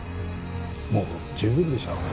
もう十分でしょう